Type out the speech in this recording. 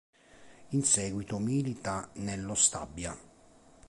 In seguito milita nello Stabia.